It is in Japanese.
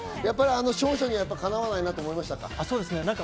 勝者にはかなわないなと思いましたか？